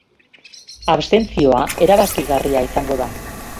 Abstentzioa erabakigarria izango da.